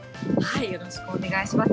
よろしくお願いします。